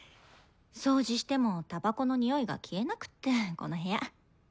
掃除してもたばこの臭いが消えなくってこの部屋。